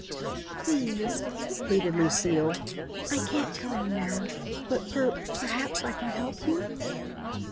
"Please," pleaded Lucile, "I can't tell you now. But per perhaps I can help you."